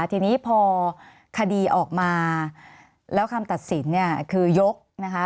ทีนี้พอคดีออกมาแล้วคำตัดสินเนี่ยคือยกนะคะ